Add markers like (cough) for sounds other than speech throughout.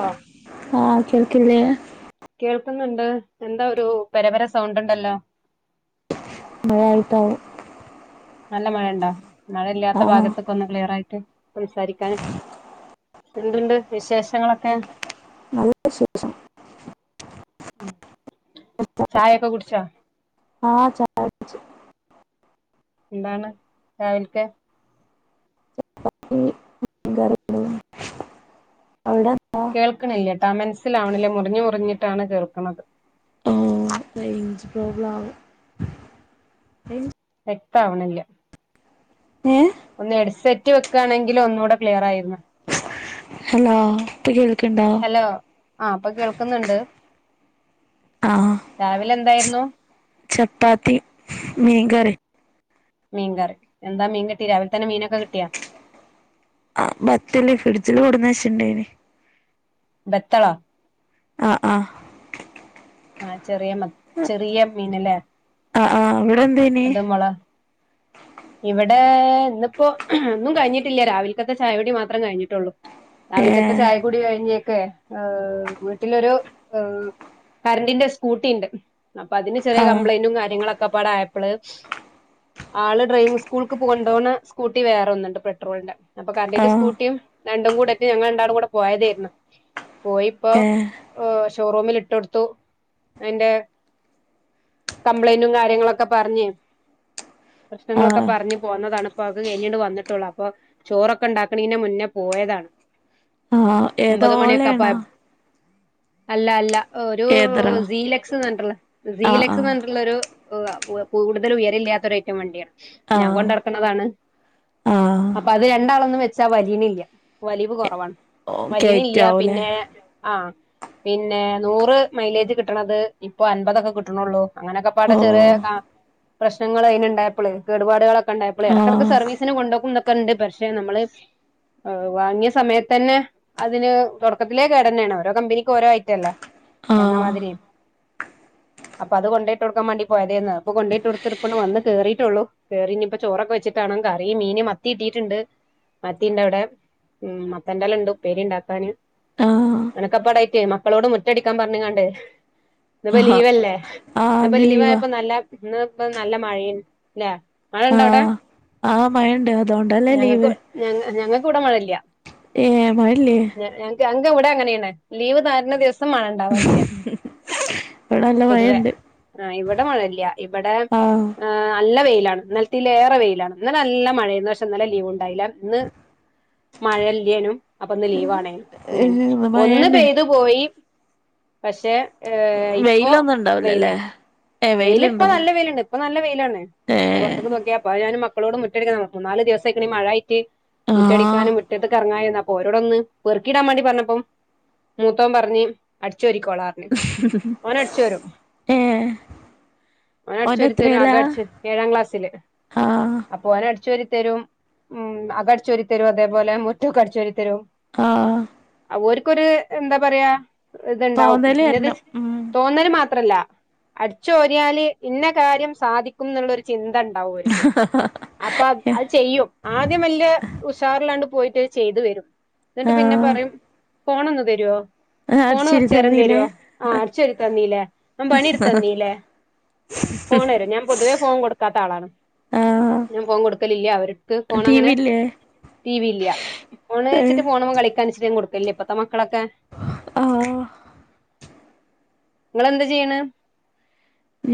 ആഹ് ആഹ് കേൾക്കല്ലേ കേൾക്കുന്നുണ്ട് എന്താ ഒരു പരമ്പര സൗണ്ട് ഉണ്ടല്ലോ (unintelligible) നല്ല മഴ ഉണ്ടോ മഴയില്ലാത്ത ആഹ് ഭാഗത്ത് ഒന്ന് ക്ലിയറ ആയിട്ട് സംസാരിക്കാനും എന്തുണ്ട് വിശേഷങ്ങളൊക്കെ നല്ല (unintelligible) ചായ ഒക്ക കുടിച്ച ആഹ് ചാ എന്താണ് രാവിലക്ക് ഇനി മീൻ കറി ഉണ്ടായിരുന്നു അവിടെ എന്താ കേൾക്കണില്ലേട്ടാ ആഹ് മനസ്സിലാവണില്ലേ മുറിഞ്ഞ് മുറിഞ്ഞിട്ടാണ് കേൾക്കണത് മതിപോലുള്ള വ്യക്ത ആവണില്ല ഏഹ് ഒന്ന് ഹെഡ്സെറ്റ് വെക്കുകയാണെങ്കില ഒന്നുകൂടെ ക്ലിയർ ആയിരുന്നു ഹലോ ഇപ്പ കേൾക്കണ്ടോ ഹലോ ആഹ് ഇപ്പൊ കേൾക്കുന്നുണ്ട് ആഹ് രാവിലെ എന്തായിരുന്നു ചപ്പാത്തി മീൻ കറി മീൻ കറി എന്താ മീൻ കിട്ടി രാവിലെ തന്നെ മീനൊക്കെ കിട്ടിയാ ആഹ് നത്തല്ലേ ഫ്രിഡ്ജിൽ കെടുന്ന വെച്ചുണ്ടേന് ബത്തള ആഹ് ആഹ് ആഹ് ചെറിയ മത്തി ചെറിയ മീനല്ലേ ആഹ് ആഹ് അവിടെ എന്തേന അത് മുള (inaudible) ഇവിടെ ഇന്നിപ്പോ ഒന്നും കഴിഞ്ഞിട്ടില്ല രാവിലക്കത്തെ ചായ കുടി മാത്രം കഴിഞ്ഞിട്ടുള്ളൂ രാവിലക്കത്തെ ഏഹ് ചായ കുടി കഴിഞ്ഞേക്കെ ആഹ് വീട്ടിലൊരു കരണ്ടിന്റെ സ്കൂട്ടി ഉണ്ട് അപ്പൊ അതിന് ചെറിയ ആഹ് കംപ്ലൈന്റും കാര്യങ്ങളൊക്കെ അകപാട ആയപ്പള് ആള് ഡ്രൈവിംഗങ് സ്കൂളക്ക് പോകണ്ടോണ് സ്കൂട്ടി വെറെ ഒന്നണ്ട് പെട്രോളിന്റെ അപ്പൊ കരണ്ടിന്റെ ആഹ് സ്കൂട്ടിയും രണ്ടും കൂടട്ട് ഞങ്ങൾ രണ്ടാടും കൂടെ പോയതായിരുന്നു പോയിപ്പോ ഏഹ് ഷോറൂമിൽ ഇട്ടൊടുത്തു അതിന്റെ കംപ്ലൈന്റും കാര്യങ്ങളൊക്കെ പറഞ്ഞേ പ്രശ്നങ്ങളൊക്കെ ആഹ് പറഞ്ഞ പോന്നതാണ് ഇപ്പോ അത് കഴിഞ്ഞിട്ട് വന്നിട്ടുള്ളൂ അപ്പൊ ചോറൊക്കെ ഇണ്ടാക്ണിൻറ്റെ മുന്നേ പോയതാണ് ആഹ് ഏതാ ഒമ്പത് മണിയൊക്കെ അ ഓലേണോ അല്ല അല്ല ഒരു ഏതറോ സീലെക്സ്ന്ന് റഞ്ഞിട്ടുള്ള സീ ആഹ് ആഹ് ലെക്സ്ന്ന് പറഞ്ഞിട്ടുള്ള ഒരു കൂടുതൽ ഉയരല്ലാത്തൊഒരയിറ്റം വണ്ടിയാണ് ഞാൻ ആഹ് കൊണ്ടത്ത അതാണ് ആഹ് അപ്പൊ അത് രണ്ടാളൊന്നും വെച്ചാ വലീനില്ല വലിവ് കുറവാണ് ഓ വലീണില്ല ഇല്ലിയ കയറ്റാവൂലേ പിന്നെ ആഹ് പിന്നെ നൂറ് മൈലേജ് കിട്ടണത് ഇപ്പൊ അൻപതൊക്കെ കിട്ടണള്ളൂ അങ്ങനെയൊക്കെ പാട ഓ ചെറിയ പ്രശ്നങ്ങൾ അയിന് ഇണ്ടായപ്പോള് കേടുപാടുകളൊക്കെ ഇണ്ടായപ്പോ ഇടക്കിടക്ക് ആഹ് സർവീസ് (inaudible) കൊണ്ടോക്കുന്നൊക്കെ ഇണ്ട് പക്ഷെ നമ്മള് വാങ്ങിയ സമയത്ത് തന്നെ അതിന് തുടക്കത്തിലേ കേടന്നെയാണ് ഓരോ കമ്പനിക്ക് ഓരോ ഐറ്റ അല്ലെ ആഹ് എന്നമാതിരിയ അപ്പൊ അത് കൊണ്ടയിട്ട് കൊടുക്കാൻ വേണ്ടി പോയതേന്ന് അപ്പൊ കൊണ്ടയിട്ട് കൊടുത്തിപ്പന് വന്ന് കേറിയിട്ടുള്ളൂ കയറി ഇപ്പൊ ചോറൊക്കെ വെച്ചിട്ടാണ് കറിയും മീനും മത്തി കിട്ടിയിട്ടുണ്ട് മത്തി ഇണ്ട് അവിടെ ഉ മത്തന്റെ ഇലാ ഉണ്ട് ഉപേരിണ്ടാക്കാന് ആഹ് അണക്കപ്പാടായിറ്റേ മക്കളോട് മുറ്റടിക്കാൻ പറഞ്ഞ കാണ്ടേ ഇന്ന്ഇപ്പോ ആഹാ ലീവല്ലേ ആഹ് ഇപ്പോ ഇന്ന് ലീവാ ലീവ്യപ്പോ നല്ല ഇന്ന്പ്പ നല്ല മഴയുംല്ലേ മഴ ഇണ്ട അവിടെ ആഹ് ആഹ് മഴണ്ട് അതോണ്ടല്ലേ ഞങ്ങക്ക് ലീവ് ഞ ഞങ്ങക്ക് ഇവിടെ മഴയില്ല ഏ മഴയല്ലേ (inaudible) ഇവിടെ അങ്ങനെയാണ് ലീവ് തരുന്ന ദിവസം മഴ ഇണ്ടാവാറില്ല ഇവിടെ നല്ല പൊതുവെ മഴണ്ട് ആഹ് ഇവിടെ മഴയില്ല ഇവടെ ആഹ് നല്ല വെയിലാണ് ഇന്നലത്തിയിലേറെ വെയിലാണ് ഇന്ന് നല്ല മഴയണ് പക്ഷെ ഇന്നല്ലലെ ലീവ് ഉണ്ടായില്ല ഇന്ന് മഴല്ലേനും അപ്പൊ ഇന്ന് ലീവ് ആണേനും അങ്ങനെയും ഏഹ് ഇന്ന് ഒന്ന് മഴന്നെ പെയ്തു പോയി പക്ഷെ ഏ ഇപ്പോ വെയിലൊന്നും വെയില ഉണ്ടാവൂലല്ലേ ഏഹ് വെയില ഇപ്പൊ വെയിലുണ്ടോ നല്ല വെയിലുണ്ട് ഇപ്പൊ നല്ല വെയിലാണ് ഏഹ് പുറത്തക്ക് നോക്കിയാപ്പ ഞനും മ മക്കളോട് മുറ്റ അടി നാല് ദിവസയിക്കണ മഴായിട്ട് ആഹ് മുറ്റടിക്കാനും മുറ്റത്ത് കറ ഓരോടൊന്ന് പെറുക്കിടാൻ വേണ്ടി പറഞ്ഞപ്പം മൂത്തവൻ പറഞ്ഞ് അടിച്ചു വാരിക്കോളാന്ന് ഏ ഓൻ അടിചോരിത്തരും (inaudible) ഏഴാം ക്ലാസ്സില് ആഹ് അപ്പോനടിച്ചാരിതരും ഉം അക ടിച്ചാരിതരും അതേപോലെ മുറ്റക്ക ടിച്ചാരി തരും ആഹ് അ ഒര്ക്കൊര് എന്താ പറയാ ഇത്ണ്ടാവും തോന്നല് ന്നെത് വരണം ഉം തോന്നല് മാത്രല്ല അടിചൊര്യാല് ഇന്നകാര്യം സാധിക്കും ന്ന്ള്ളോരുചിന്ത ഉണ്ടാവു ഒര്ക്ക് അപ്പ അത് ചെയ്യും ആദ്യം വല്യ ഉഷാർ ലൻണ്ട്പോയിട്ട് ചെയ്ത് വരും ന്ന്ട്ട് ആഹ് പിന്നെപറയും ഫോൺ ഒന്ന് തരോ അടിച്ചിരി തന്നീലേ ഫോണ്കൊർചേരംതെരോ ആ അട് ചാരിതന്നീല്ലേ ന പണി തന്നീലെ ഫോണെരോഞ്ഞം പൊതുവേ ഫോകൊട്ക്കാത്തളാണ് ആഹ് ഞാഫോകൊടുക്കലില്യ അവ ക്ക്‌ ടി ഫോണങ്ങനെ വി ഇല്ലേ ടി വി ഇല്ല ഫോണ് ഏഹ് ച്ചിട്ട് ഫോണ് മക കണ്ച്ച്ടാൻ കൊടുക്കല്യ ഇപ്പത്തെ മക്കളെക്കെ ആഹ് ഇങ്ങളെന്താ ചെയ്യ്ണേ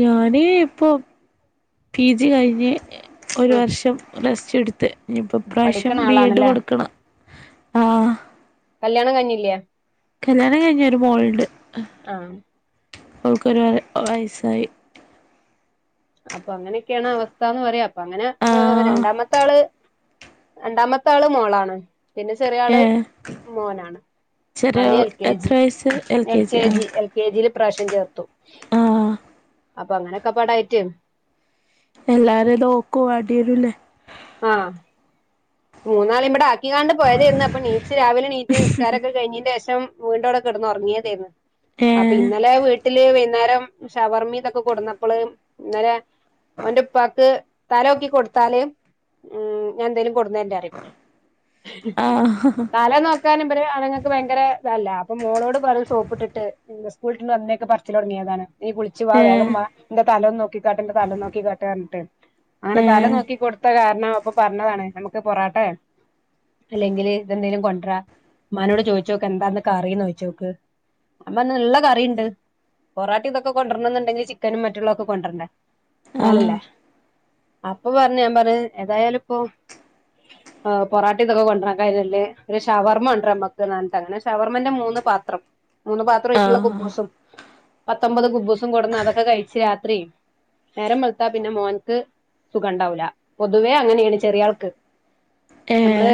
ഞാന് ഇപ്പൊ പിജി കഴിഞ്ഞ് ഒരു ആ വർഷം പ്ലസ്റ്റ് ട്ത്ത് ഇഞ്ഞിപ്പ ഇപ്രാവശ്യം പഠിക്കണ ബി എഡ് ആളാണല്ലേ കൊടുക്കണം ആ കല്യാണം കഴിഞ്ഞില്ല്യെ കല്യാണംകഴിഞ് ഒരു മോൾണ്ട് ആ ഓൾക്ക് ഒര് ഒരുവയസ്സായി അപ്പൊഅങ്ങനെയൊക്കെയാണ് അവസ്ഥാന്ന്പറയാ അപ്പൊ അങ്ങനെ ഏ.. ആഹ് രണ്ടാമത്തആള് രണ്ടാമത്താള് മോളാണ് പിന്നെ ചെറിയാള് ഏഹ് മോനാണ് ചെറിയ അവന് എൽ കെ എത്ര ജി വയസ്സ് എൽ കെ ആഹ് ജി എൽ കെജില് ഇപ്രാവിശ്യം ചേർത്തു ആഹ് അപ്പൊങ്ങനെക്കെ പാടായിട്ട് എല്ലാരെതോക്കോ അടിയരുല്ലേ ആഹ് മൂന്നാളെ ഇവ്ടെ ആക്കിങ്ങാണ്ട് പോയതര്ന്നു അപ്പൊണീച്ച് രാവിലെ ണീ റ്റ് നിസ്കാരൊക്കെ കഴിഞ്ഞെന്റെശം വീണ്ടവുടെ കേട്ന്ന്ഒർങ്ങെതേര്ന്നു ഏഹ് പ്പ ഇന്നലെ വീട്ടില് വൈന്നേരം ഷവർമിതൊക്കെ കൊടുന്നപ്പോള് ഇന്നലെ ഓന്റെഉപ്പാക്ക് തലഓക്കി കൊട് ത്താല് ഉം ഞാന്തേലും കൊട്ന്നെര്ന്ററിയും ആഹ് തല നോക് കാനുപറ അണ്ങ്ങക്ക് ഭയങ്കര താലഅപ്പൊമോളോട് പറയും സോപ്ട്ട്ട്ട് ന്ന് സ്കൂൾട്ട് വന്നേക് പർച്ചി ലോട്ങ്ങിയതാണ് ഈകുൾച്ച് വാ ഏഹ് വേഗംവാന്റെതലന്ന് നോക്കികാട്ട് ന്റെ തലന്ന് നോക്കിക്കാട്ട് ട്ടർണ്ട്ട് അങ്ങനെതല ഏഹ് നോക്കി കൊടുത്ത കാർണം അപ്പൊ പർഞ്ഞതാണ് ഞമ്മക്ക് പൊറാട്ടെ അല്ലെങ്കില് ഇതെന്തെലും കൊണ്ട്രാ മ്മാനോട്ചോയിച്ചോക്ക് എന്താന്ന് കറീന്നോയിച്ചോക്ക് ള്ളകറിണ്ട് പൊറട്ടീതൊക്ക കൊണ്ടർണം ന്ന്ണ്ടെങ്കില് ചിക്കനും മറ്റുള്ളൊക്കെ കൊണ്ടർണ്ടെ ആഹ് ന്നാലല്ലേ അപ്പൊപറഞ് ഞാപർഞ് ഏതായാലും ഇപ്പൊ ഏ പൊറാട്ടീ ഇതോക്കെ കൊണ്ട്രാ കതല്ലേ ഒരുഷവർമ്മണ്ട്രാ അമ്മക്ക് ന്നർഞ്ഞിട്ട് അങ്ങനെ ഷവർമ്മന്റെ മൂന്ന് പാത്രം മൂന്ന്പാത്രപത്രായിട്ട്ള്ള ആഹ് കുബൂസും പത്തൊമ്പത് കുബൂസും കൊട്ന്ന് അതൊക്കെകഴിച് രാത്രി നേരംവെൾത്താ പിന്നെ മോൻക്ക് സുഖംണ്ടാവൂല പൊതുവേ അങ്ങന്യേണ് ചെറിയാൾക്ക് ഏ.. മ്മള്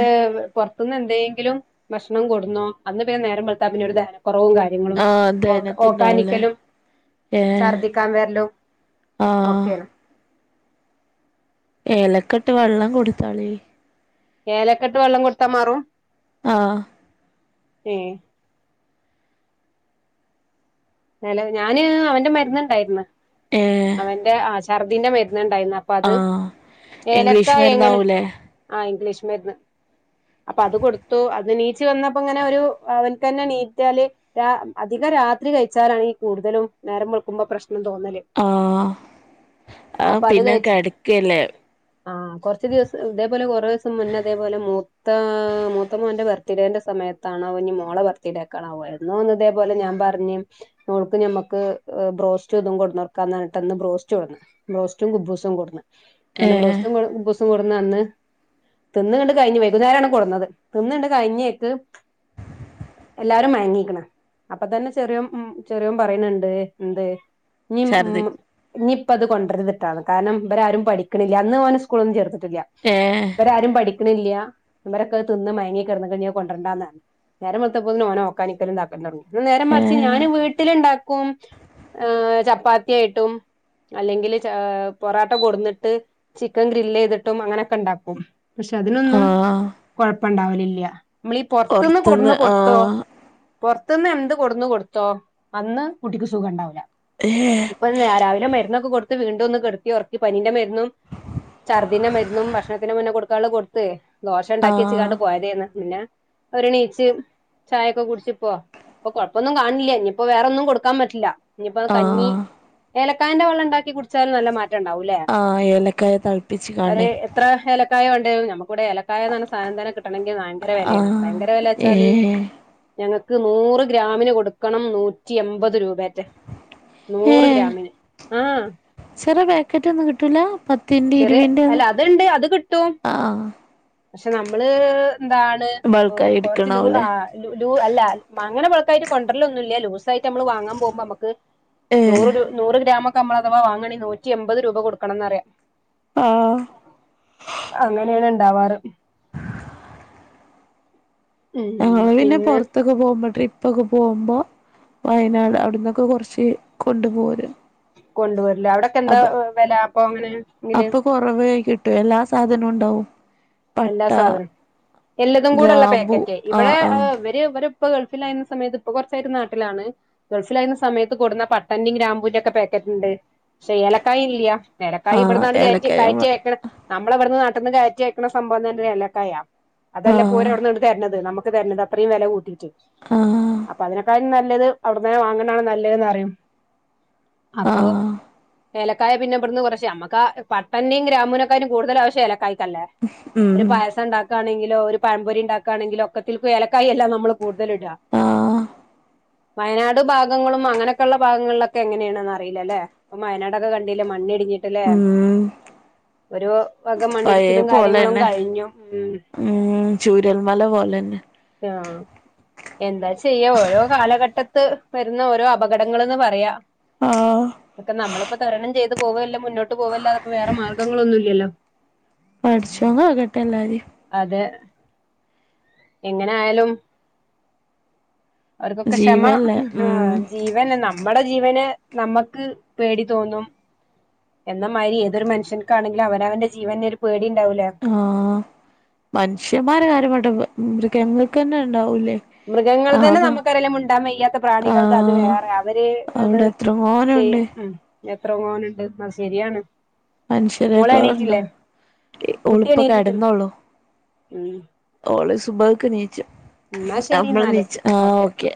പോർത്ത്ന്ന്എന്തെങ്കിലും ഭക്ഷണംകൊടുന്നോ അന്ന്പിന്നെ നേരംവെൽത്താ ഒരുദഹനകൊർവുംകാര്യ ങ്ങളും ആഹ് ഓക്ക് അധ്യയനത്തിണ്ടാവൂലേ ഒക്കാനിക്കലും ഏ ഛർദ്ദിക്കാൻവർലും ആഹ് ഒക്കെയാണ് ഏലക്കെട്ട് വെള്ളം കൊടുത്താളി ഏലക്കെട്ട് വെള്ളം കൊടുത്താ മാറും ആഹ് ഏ നെല ഞാന് അവന്റെമര്ന്ന്ണ്ടായിര് ന്ന് ഏ അവന്റെ ആ ഛർദീന്റെ മര്ന്ന് ണ്ടായിര്ന്ന് പ്പ ത് ആഹ് ഇംഗ്ലീഷ് ഏലക്കായങ്ങനെ മരുന്നാവൂലേ ആ ഇംഗ്ലീഷ് മര്ന്ന് അപ്പൊ അത് കൊടുത്തു അത് നീച്ച് വന്നപ്പോങ്ങനെഒരുഅവൻകെന്നെ നീറ്റാല് രാ അധികംരാത്രികഴിച്ചാലാണ് കൂടുതലും നേരം വെളുക്കുമ്പോ പ്രശ്നം തോന്നല് ആഹ് അ പിന്നെ കടക്കല്ലേ ആ കൊറച്ചു ദിവസം ഇതേപോലെ കൊറേ ദിവസം മുന്നേ അതേപോലെ മൂത്ത മൂത്ത മോന്റെ ബർ ബർത്ത്ഡേന്റെ സമയത്താണോ ഇനി മോളെ ബർത്ത്ഡേക്കാണാവോ എന്നോ ഒന്ന് ഇതേ പോലെ ഞാൻ പറഞ്ഞു മോൾക്ക് ഞമ്മക്ക് ബ്രോസ്റ്റ് തും കൊണ്ടൊന്നൊട്ക്കാ എന്നർഞിട്ട് അന്ന് ബ്രോസ്റ്റ് കൊട ബ്രോസ്റ്റും കുബൂസും കൊട്ന്ന് ഏ അങ്ങനെ ബ്രോസ്റ്റും കുബൂസും കൊട്ന്ന അന്ന് തിന്നണ്ട് കഴിഞ്ഞ് വൈകുന്നേരാണ് കൊട്ന്നത് തിന്നണ്ട് കഴിഞ്ഞേക്ക് എല്ലാരും മയങ്ങീക്ക്ണ് അപ്പ തന്നെ ചെറിയ ഉം ചെറിയോൻ പറയുന്നുണ്ട് എന്ത് ഇനീ ഛർദി ഉ ഇനിയിപ്പ അത് കൊണ്ടരുത്ട്ടാന്ന് കാരണം ഇവരാരും പഠിക്ക്ണില്ല അന്ന് ഓനെ സ്കൂളൊന്നും ചേർത്ട്ട് ഏ ഇവരാരും പഠിക്ക്ണില്ല ഇവരൊക്കെ തിന്ന് മയങ്ങി കെടന്നക്ക ഞത് കൊണ്ടരണ്ടാന്നതാണ് നേരം വെൾത്തപോത്തിന് ഓന് ഓക്കാനിക്കലും തൊക്കെ നേരെ ഏ മറിച്ച് ഞാന് വീട്ടിലുണ്ടാക്കും ആ ചപ്പാത്തി ആയിട്ടും അല്ലെങ്കിൽ പൊറോട്ട കൊട്ന്നിട്ട് ചിക്കൻ ഗ്രില്ലെയ്തിട്ടും അങ്ങനൊക്കെ ഉണ്ടാക്കും പക്ഷെ അതിനൊന്നും ആഹ് കൊഴപ്പണ്ടാവലില്ല നമ്മളീ പൊറത്തുന്ന് പൊറത്ത്ന്ന് കൊടുന്ന് കൊടുത്തോ ആഹ് പുറത്തുന്ന് എന്ത് കൊടുന്ന് കൊടുത്തോ അന്ന് കുട്ടിക്ക് സുഖം ഉണ്ടാവൂല്ല ഏ ഇപ്പൊ രാവിലെ മരുന്നൊക്കെ കൊടുത്ത് വീണ്ടൊന്ന് കെട്ത്തി ഉറക്കി പനിന്റെ മരുന്നും ഛർദിന്റെ മരുന്നും ഭക്ഷണത്തിന് മുന്നേ കൊടുക്കാള്ള കൊടുത്ത് ദോഷ ഉണ്ടാക്കി ആഹ് വച്ചാണ്ട് പോയതേനി പിന്നെ ഓര്ണീച്ച് ചായൊക്കെ കുടിച്ച്പ്പോ ഇപ്പൊ കൊഴപ്പൊന്നും കാണില്ല ഇനിയിപ്പോ വേറൊന്നും കൊടുക്കാൻ പറ്റില്ല ഇനിയിപ്പോ കഞ്ഞി ആഹ് ഏലക്കായ് ന്റെ വെള്ളം ഉണ്ടാക്കി കുടിച്ചാലും നല്ല മാറ്റണ്ടാവൂ. ആ ഏലക്കായ തളപ്പിച്ച് കാണ്ടെ. എത്ര ഏലക്കായ വേണ്ടിവരും. ഞമ്മക്കിവടെ ഏല ക്കായാന്ന സാധനം തന്നെ കിട്ടണെങ്കിൽ ഭയങ്കര വെലേണ്. ആഹ് ഭയങ്കര വെല ഏ വച്ചാല്, ഞങ്ങക്ക് നൂറ് ഗ്രാമിന് കൊടുക്കണം നൂറ്റി എമ്പത് രൂപെ. ഏ നൂറ് ഗ്രാമിന് ആഹ്. ചെറിയ പാക്കറ്റ് ഒന്നും കിട്ടൂല? പത്തിന്റെ ചെറിയ അല്ല ഇരുവിന്റെന്നും അത്ണ്ട് അത് കിട്ടും. ആഹ് പക്ഷെ നമ്മള് എന്താ, ത് ബൾക്കായി കൊറച്ച് എടുക്കണാവൂലേ ലൂ ആ അല്ല അങ്ങനെ ബൾക്കായിട്ട് കൊണ്ടരലൊന്നുല്ല ലൂസാ യിട്ട് നമ്മള് വാങ്ങാൻ പോക്മ്പോ നമ്മക്ക് ഏഹ് നൂറ് രൂ നൂറ് ഗ്രാമക്ക നമ്മള് അഥവാ വാങ്ങാണെ നൂറ്റി എൻപത് രൂപ കൊടുക്കണ ന്നറിയാ. ആഹ്. അങ്ങനേണ് ഇണ്ടാവാറ്. (inaudible) ഞങ്ങള് പിന്നെ പൊറത്തക്ക പോവുമ്പോ ട്രിപ്പൊക്കെ പോകുമ്പോ, വയനാട് അവിട്ന്നൊക്കെ കുറച്ച് കൊണ്ട് പോരും. കൊണ്ട് വരുലേ. അവിടൊക്കെ എന്താ വില അപ്പൊ അങ്ങനെ? എങ്കില് അപ്പൊ കൊറവായി കിട്ടും. എല്ലാ സാധനവും ഉണ്ടാവും. എല്ലാ പട്ട സാധനം. എല്ലതും കൂടെള്ള ഗ്രാമ്പൂ പാക്കറ്റ് ഇവിടെ ആഹ് ആഹ് ഏഹ് ഏ ഇവരെപ്പ ഗൾഫിൽ ആയിരുന്ന സമയത്ത് ഇപ്പൊ കുറച്ചായിട്ട് നാട്ടിലാണ്. ഗൾഫിലായിന്ന സമയത്ത് കൊട്ന്ന പട്ടന്റിം ഗ്രാമ്പൂന്റേം ഒക്കെ പാക്കറ്റ് ഉണ്ട്. പക്ഷേ ഏലക്കായി ഇല്ലയ. ഏലക്കായി ആഹ് ഇവിടന്നാണ്ട് കേറ്റി ഏലക്കായ നമ്മള് കയറ്റിക്കണ, നമള് ഇവട്ന്ന് നാട്ട്ന്ന് കയറ്റി അയക്കണ സംഭവം തന്നെ അല്ലെ ഏലക്കായാ. അതല്ലേ പ പോര ആഹ് അവിടുന്ന്, തര്ണത്, നമുക്ക് തര്ണത്, അത്രയും വെല കൂട്ടീട്ട്. ആഹ് അപ്പൊ അതിനെക്കാലും നല്ലത് അവിടുന്ന്‌ വാങ്ങ്ണാണ് നല്ലെന്ന് പറയും, അപ്പൊ ആഹ് ഏലക്കായ പിന്നെ ഇവിടുന്ന് കുറച്ച് നമുക്ക പട്ടന്റിം ഗ്രാംമ്പൂനെക്കാരും കൂടുതൽ ആവശ്യം ഏലക്കായിക്കല്ലേ. (inaudible) ഒരു പായസം ഉണ്ടാക്കുകയാണെങ്കിലോ, ഒരു പഴംപൊരി ഉണ്ടാക്കുകയാണെങ്കിലോ ഒക്കത്തിൽക്കു ഏലക്കായെല്ലെ ഞമ്മൾ കൂടുതല് ഇട. ആഹ് വയനാട് ഭാഗങ്ങളും അങ്ങനൊക്കെയള്ള ഭാഗങ്ങളിലൊക്കെ എങ്ങനെണ്ന്ന് അറിയില്ല ല്ലേ. ഇപ്പൊ വയനാടൊക്കെ കണ്ടില്ലേ മണ്ണിടിഞ്ഞിട്ട്ല്ലേ. ഉം ഒരു വക പഴയ മണ്ണിടിച്ചിലും കാര്യ പോലെന്നെ ഉം ചൂരൽമല പോലെന്നെ. ആഹ്. എന്താ ചെയ്യാ, ഓരോ കാലഘട്ടത്ത് വരുന്ന ഓരോ അപകടങ്ങള്ന്ന് പറയാ. ആഹ് അതൊക്കെ നമ്മളിപ്പോ തരണം ചെയ്തു പോവല്ലെ, മുന്നോട്ട് പോവല്ലാതെ വേറെ മാർഗങ്ങളൊന്നും ഇല്ലല്ലോ. പടച്ചോൻ കാക്കട്ടെ എല്ലാരേം. അതെ. എങ്ങനെ ആയാലും, അവർക്കൊക്കെ ക്ഷമ ജീവൻല്ലേ ഉം ആഹ് ജീ അതന്നെ നമ്മടെ ജീവന് നമ്മക്ക് പേടി തോന്നും. എന്നമാരി ഏതൊരു മനുഷ്യൻക്കാണെങ്കിലും അവനവന്റെ ജീവൻ ഒരു പേടി ഉണ്ടാവൂലെ. ആഹ് മനുഷ്യന്മാരെ കാര്യം പോട്ടെ മൃ മൃഗങ്ങൾക്ക് തന്നെ ഉണ്ടാവൂലെ. മൃഗങ്ങൾ തന്നെ നമുക്കറിയില്ലെ മുണ്ടാൻ വയ്യാത്ത പ്രാണികൾക്ക് അത് വേറെ അവര് അത്, ഓനുണ്ട്. എത്ര മോനുണ്ട് അത് ശരിയാണ്. മോള് മനുഷ്യരേക്കാളുണ്ടോ എണീറ്റില്ലേ കുട്ടി ഓളിപ്പോ എണീറ്റിട്ടില്ല കെടന്നോളൂ. ഉം ഓള് സുബഹക്ക് നീച്ചും എന്നാ ശരി നമ്മളും എന്നാല് നീച്ചും. ആഹ് ഓക്കെ.